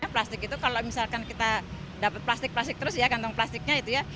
plastik itu kalau misalkan kita dapat plastik plastik terus ya kantong plastiknya itu ya